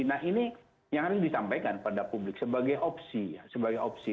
nah ini yang harus disampaikan pada publik sebagai opsi